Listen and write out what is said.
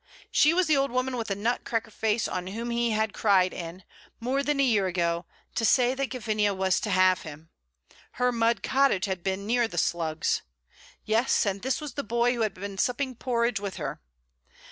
She was the old woman with the nut cracker face on whom he had cried in, more than a year ago, to say that Gavinia was to have him. Her mud cottage had been near the Slugs. Yes, and this was the boy who had been supping porridge with her.